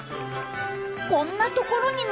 こんなところにも！？